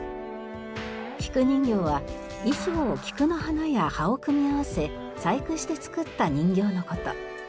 菊人形は衣装を菊の花や葉を組み合わせ細工して作った人形の事。